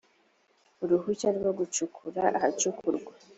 uruhushya rwo gucukura ahacukurwa